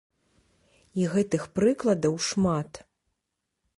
І гэтых прыкладаў шмат.